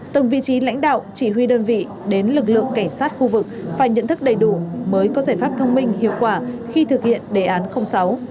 từng vị trí lãnh đạo chỉ huy đơn vị đến lực lượng cảnh sát khu vực phải nhận thức đầy đủ mới có giải pháp thông minh hiệu quả khi thực hiện đề án sáu